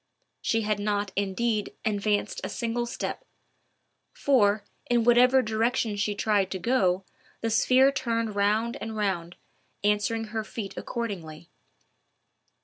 She had not, indeed, advanced a single step; for, in whatever direction she tried to go, the sphere turned round and round, answering her feet accordingly.